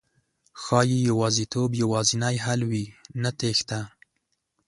ښایي يوازېتوب یوازېنی حل وي، نه تېښته